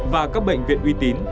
và các bệnh viện uy tín